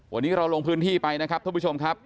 วันนี้เราลงพื้นที่ไปนะครับท่านผู้ชมครับ